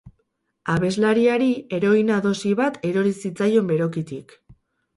Abeslariari heroina-dosi bat erori zitzaion berokitik.